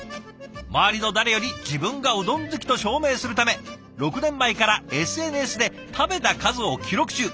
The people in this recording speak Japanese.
周りの誰より自分がうどん好きと証明するため６年前からＳＮＳで食べた数を記録中。